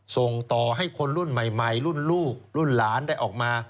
ส่งต่อให้คนรุ่นใหม่รุ่นลูกรุ่นหลานได้ออกมา